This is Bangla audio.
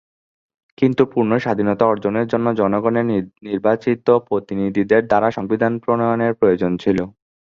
কিন্তু পূর্ণ স্বাধীনতা অর্জনের জন্য জনগণের নির্বাচিত প্রতিনিধিদের দ্বারা সংবিধান প্রণয়নের প্রয়োজন ছিল।